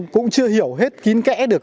cũng chưa hiểu hết kín kẽ được